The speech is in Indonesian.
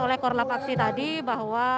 oleh korlap aksi tadi bahwa